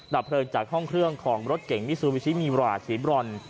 ดับเพลิงจากห้องเครื่องของรถเก่งมิซูบิชิมีราสีบรอน